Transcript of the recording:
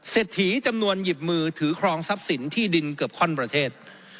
ถีจำนวนหยิบมือถือครองทรัพย์สินที่ดินเกือบข้อนประเทศ